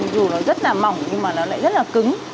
dù nó rất là mỏng nhưng mà nó lại rất là cứng